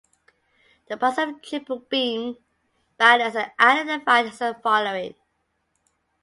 The parts of triple beam balance are identified as the following.